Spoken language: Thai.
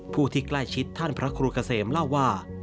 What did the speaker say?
ผู้ที่ใกล้ชิดท่านพระครูเกษมเล่าว่า